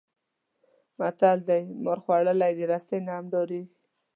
متل دی: مار خوړلی د رسۍ نه هم ډارېږي.